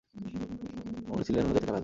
উনি ছিলেন অন্যদের থেকে আলাদা।